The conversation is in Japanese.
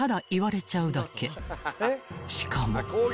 ［しかも］